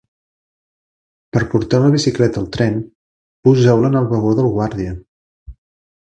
Per portar la bicicleta al tren, poseu-la en el vagó del guàrdia.